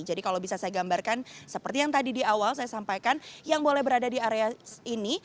jadi kalau bisa saya gambarkan seperti yang tadi di awal saya sampaikan yang boleh berada di area ini